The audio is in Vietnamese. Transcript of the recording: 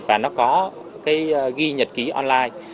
và nó có ghi nhật ký online